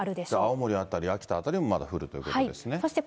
青森辺り、秋田辺りもまだ降るということですね。